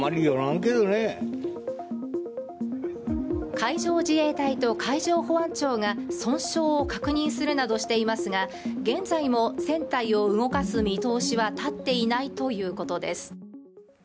海上自衛隊と海上保安庁が損傷を確認するなどしていますが現在も船体を動かす見通しは立っていないということです。